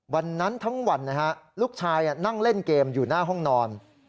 วันนั้นทั้งวันนะฮะลูกชายนั่งเล่นเกมอยู่หน้าห้องนอน